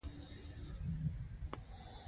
حموربي قانون د بابل د عدالت بنسټ و.